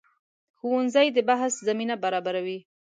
ښوونځی د بحث زمینه برابروي